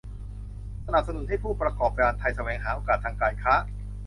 สนับสนุนให้ผู้ประกอบการไทยแสวงหาโอกาสทางการค้า